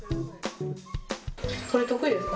これ得意ですか？